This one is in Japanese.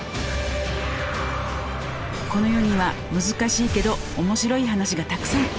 この世にはむずかしいけど面白い話がたくさん！